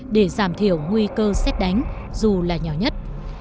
để giảm thiểu nguy cơ xét đánh dù là nhỏ nhất